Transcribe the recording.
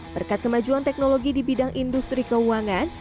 berkat kemajuan teknologi di bidang industri keuangan